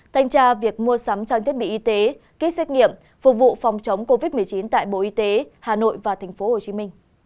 thanh tra việc mua sắm trang thiết bị y tế kit xét nghiệm phục vụ phòng chống covid một mươi chín tại bộ y tế hà nội và tp hcm